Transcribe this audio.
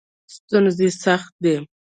ستوني سخت دی.